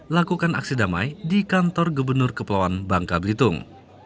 lakukan aksi damai di kantor gubernur kepulauan bangka belitung